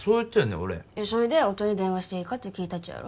俺そいで音に電話していいかっちゃ聞いたっちゃやろ？